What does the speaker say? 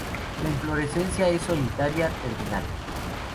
La inflorescencia es solitaria, terminal.